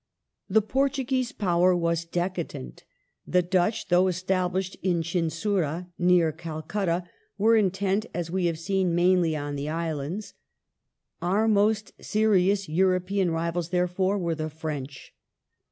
The Portuguese power was decadent ; the Dutch, g^^^^v ^jP though established at Chinsurah, near Calcutta, were intent, as we and have seen, mainly on the Islands; our most serious European ^^^ rivals, therefore, were the French.